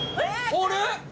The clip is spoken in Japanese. あれ！？